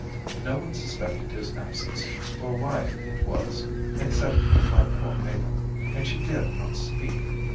No one suspected his absence, or why it was, except my poor Mabel, and she dared not speak.